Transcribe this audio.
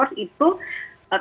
karena intervensi pemerintah itu